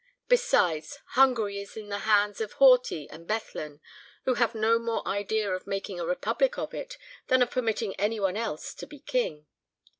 Besides, Hungary is in the hands of Horthy and Bethlen, who have no more idea of making a republic of it than of permitting any one else to be king.